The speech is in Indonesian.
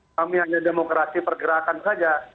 kami hanya demokrasi pergerakan saja